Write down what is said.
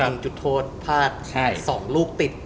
มีจุดโทษพลาด๒รูปติด